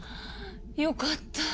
よかった。